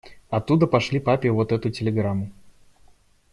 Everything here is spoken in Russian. Оттуда пошли папе вот эту телеграмму.